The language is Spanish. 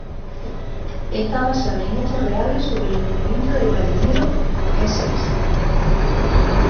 Está basada en hechos reales sobre el hundimiento del Ballenero Essex.